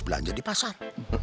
belanja di pasar